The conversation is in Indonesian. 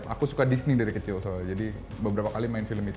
aku suka disney dari kecil jadi beberapa kali main film itu